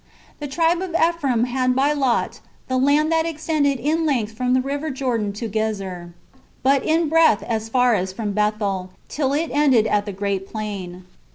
The tribe of Ephraim had by lot the land that extended in length from the river Jordan to Gezer; but in breadth as far as from Bethel, till it ended at the Great Plain.